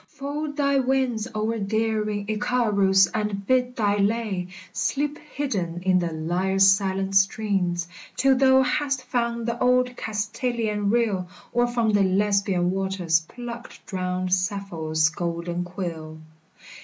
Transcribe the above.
fold thy wings O'er daring Icarus and bid thy lay Sleep hidden in the lyre's silent strings, Till thou hast found the old Castaliah rill, Or from the Lesbian waters plucked drowned Sappho's golden quill